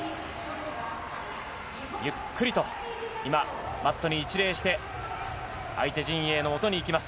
ゆっくりとマットに一礼して相手陣営のもとに行きます。